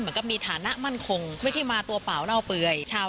เหมือนกับได้เริ่มต้นใหม่อีกครั้งหนึ่ง